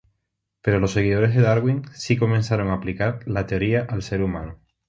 Pero los seguidores de Darwin sí comenzaron a aplicar la teoría al ser humano.